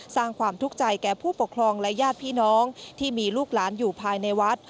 สร้างความทุกข์ใจแก่ผู้ปกครองและญาติพี่น้องที่มีลูกหลานอยู่ภายในวัด